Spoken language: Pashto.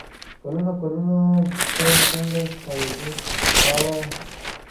کلونه کلونه د "څنګه ښکارېدو" په اړه